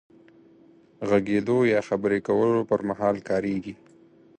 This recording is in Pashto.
غږېدو يا خبرې کولو پر مهال کارېږي.